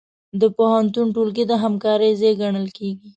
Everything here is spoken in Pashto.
د پوهنتون ټولګي د همکارۍ ځای ګڼل کېږي.